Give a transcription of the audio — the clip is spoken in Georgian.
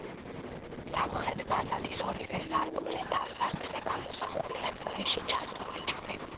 სამხრეთ ფასადის ორივე სარკმლის თავსართზე გამოსახულია წრეში ჩასმული ჯვრები.